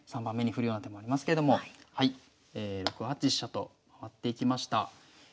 ３番目に振るような手もありますけれども６八飛車と回っていきました。